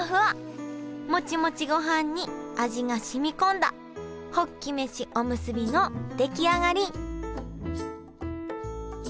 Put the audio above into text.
モチモチごはんに味がしみこんだホッキ飯おむすびの出来上がり！